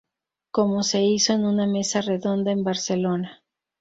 como se hizo en una mesa redonda en Barcelona